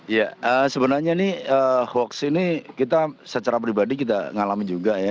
ya sebenarnya ini hoax ini kita secara pribadi kita ngalamin juga ya